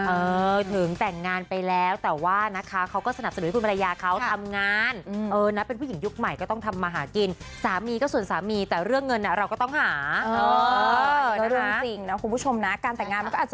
เออถึงแต่งงานไปแล้วแต่ว่านะคะเขาก็สนับสนุนให้คุณมารยาเขาทำงาน